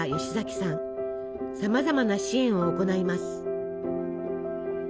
さまざまな支援を行います。